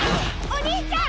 お兄ちゃん！